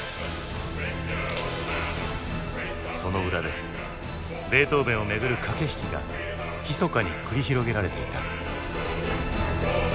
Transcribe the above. その裏でベートーヴェンを巡る駆け引きがひそかに繰り広げられていた。